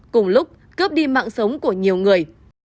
cùng lúc cướp đi mạng sống của nhiều người